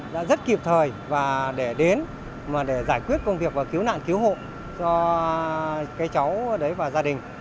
đã rất kịp thời và để đến mà để giải quyết công việc và cứu nạn cứu hộ cho cái cháu đấy và gia đình